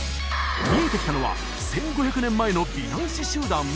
見えてきたのは１５００年前の美男子集団？